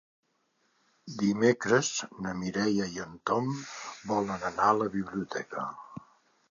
Dimecres na Mireia i en Tom volen anar a la biblioteca.